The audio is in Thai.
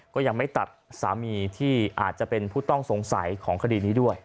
ก็ยังไม่ตัดสามีที่อาจจะเป็นผู้ต้องสงสัยของคดีนี้ด้วย